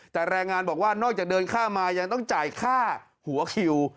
แต่แรงงานบอกว่านอกจากเดินค่ามายังต้องจ่ายค่าหัวคิว